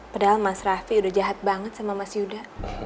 padahal mas raffi udah jahat banget sama mas yuda